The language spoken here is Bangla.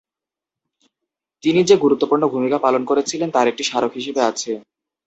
তিনি যে গুরুত্বপূর্ণ ভূমিকা পালন করেছিলেন তার একটি স্মারক হিসেবে আছে।